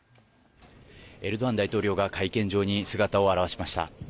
エルドアン大統領が会見場に姿を現しました。